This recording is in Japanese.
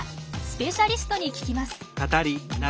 スペシャリストに聞きます。